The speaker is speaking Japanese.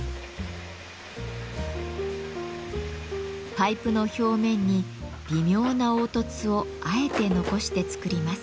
パイプの表面に微妙な凹凸をあえて残して作ります。